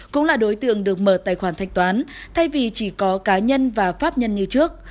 cũng là đối tượng được mở tài khoản thanh toán thay vì chỉ có cá nhân và pháp nhân như trước